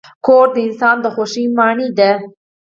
کور د انسان د خوښۍ ماڼۍ ده.